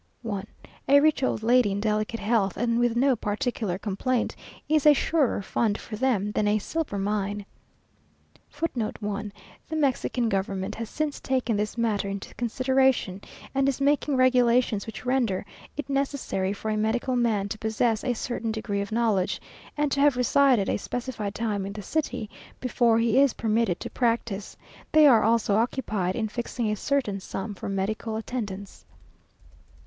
A rich old lady in delicate health, and with no particular complaint, is a surer fund for them than a silver mine. [Footnote 1: The Mexican Government has since taken this matter into consideration, and is making regulations which render it necessary for a medical man to possess a certain degree of knowledge, and to have resided a specified time in the city, before he is permitted to practise; they are also occupied in fixing a certain sum for medical attendance.